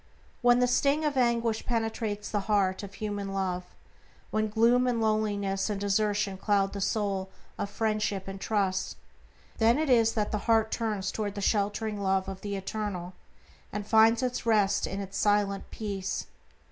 When the sting of anguish penetrates the heart of human love; when gloom and loneliness and desertion cloud the soul of friendship and trust, then it is that the heart turns toward the sheltering love of the Eternal, and finds rest in its silent peace.